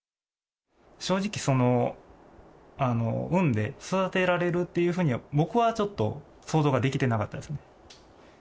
正直、産んで育てられるっていうふうに、僕はちょっと想像ができてなかったですね。